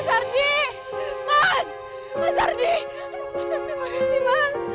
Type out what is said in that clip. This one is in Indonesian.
mas ardi mas ardi mas ardi mas ardi mana sih mas